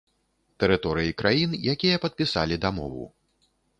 Тэрыторыі краін, якія падпісалі дамову.